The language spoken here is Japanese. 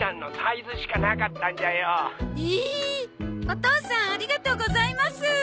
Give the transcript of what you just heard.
お義父さんありがとうございます。